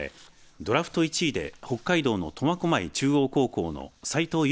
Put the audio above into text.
ドラフト１位で北海道の苫小牧中央高校の斉藤優